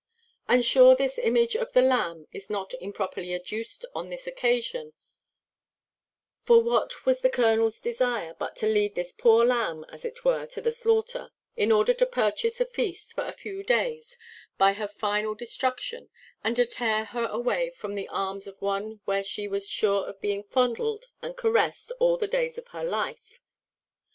And sure this image of the lamb is not improperly adduced on this occasion; for what was the colonel's desire but to lead this poor lamb, as it were, to the slaughter, in order to purchase a feast of a few days by her final destruction, and to tear her away from the arms of one where she was sure of being fondled and caressed all the days of her life.